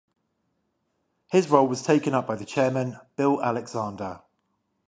His role was taken up by the Chairman, Bill Alexander.